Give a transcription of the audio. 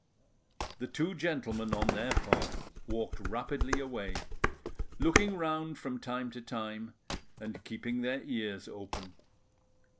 The two gentlemen on their part walked rapidly away, looking round from time to time, and keeping their ears open.